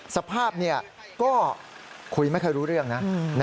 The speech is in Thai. สภาพก็คุยไม่ค่อยรู้เรื่องนะ